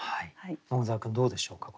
桃沢君どうでしょうか？